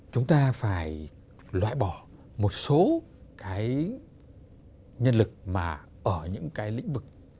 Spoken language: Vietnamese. chúng ta phải loại bỏ một số cái nhân lực mà ở những cái lĩnh vực